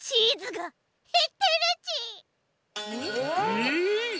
えっ？